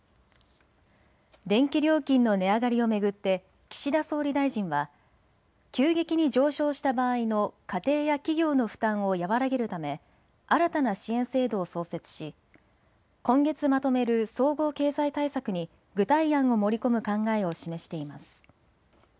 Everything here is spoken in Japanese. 電気料金の値上がりを巡って岸田総理大臣は急激に上昇した場合の家庭や企業の負担を和らげるため新たな支援制度を創設し今月まとめる総合経済対策に具体案を盛り込む考えを示しています。